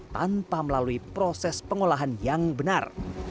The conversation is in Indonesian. tanpa melalui proses pengolahan yang benar